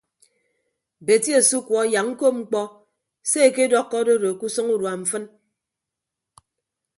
Beti asukuọ yak ñkop mkpọ se ekedọkkọ adodo ke usʌñ urua mfịn.